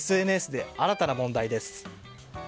ＳＮＳで新たな問題です。